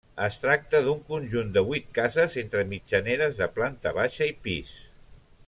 Es tracta d'un conjunt de vuit cases entre mitjaneres de planta baixa i pis.